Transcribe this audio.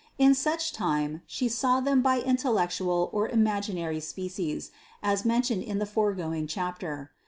In such time, She saw them by intellectual or imaginary species, as mentioned in the foregoing chapter.